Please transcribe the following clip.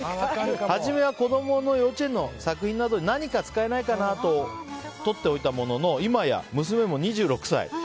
はじめは子供の幼稚園の作品など何か使えないかなととっておいたものの今や娘も２６歳。